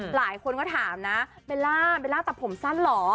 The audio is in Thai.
หลายคนก็ถามนะเบลล่าเบลล่าตัดผมสั้นเหรอ